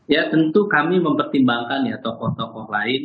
ya tentu kami mempertimbangkan ya tokoh tokoh lain